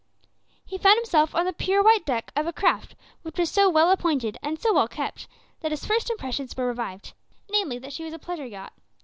He found himself on the pure white deck of a craft which was so well appointed and so well kept, that his first impressions were revived namely, that she was a pleasure yacht.